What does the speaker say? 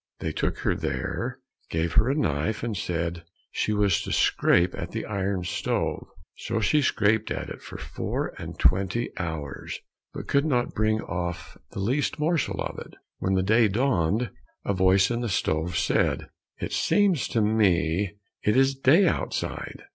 They took her there, gave her a knife, and said she was to scrape at the iron stove. So she scraped at it for four and twenty hours, but could not bring off the least morsel of it. When day dawned, a voice in the stove said, "It seems to me it is day outside."